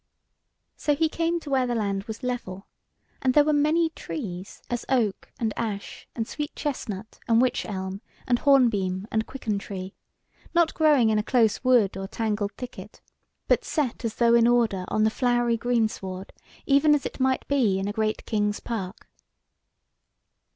So he came to where the land was level, and there were many trees, as oak and ash, and sweet chestnut and wych elm, and hornbeam and quicken tree, not growing in a close wood or tangled thicket, but set as though in order on the flowery greensward, even as it might be in a great king's park.